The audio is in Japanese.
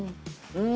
うん！